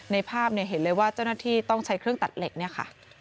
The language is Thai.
ในภาพเห็นเลยว่าเจ้าหน้าที่ต้องใช้เครื่องตัดเหล็กเนี่ยค่ะ